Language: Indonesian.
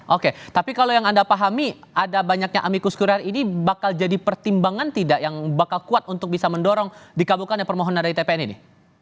oke tapi kalau yang anda pahami ada banyaknya amikus kurir ini bakal jadi pertimbangan tidak yang bakal kuat untuk bisa mendorong dikabulkan permohonan dari tpn ini